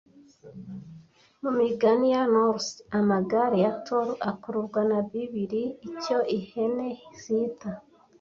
Mu migani ya Norse Amagare ya Thor akururwa na bibiri icyo Ihene zita